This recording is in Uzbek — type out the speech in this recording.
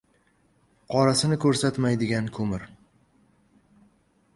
«Qorasini ko‘rsatmayotgan» ko‘mir